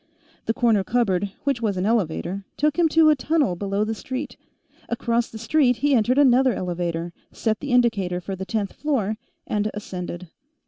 The corner cupboard, which was an elevator, took him to a tunnel below the street. Across the street, he entered another elevator, set the indicator for the tenth floor, and ascended.